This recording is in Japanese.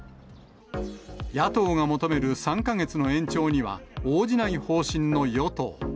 野党が求める３か月の延長には、応じない方針の与党。